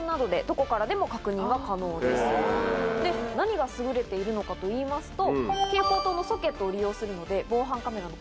何が優れているのかといいますと。